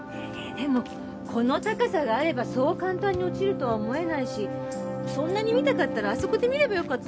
でもこの高さがあればそう簡単に落ちるとは思えないしそんなに見たかったらあそこで見ればよかったのよ。